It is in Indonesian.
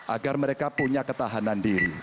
agar mereka punya ketahanan diri